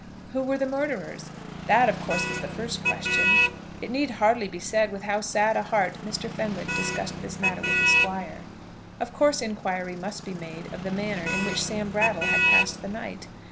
Who were the murderers? That of course was the first question. It need hardly be said with how sad a heart Mr. Fenwick discussed this matter with the Squire. Of course inquiry must be made of the manner in which Sam Brattle had passed the night.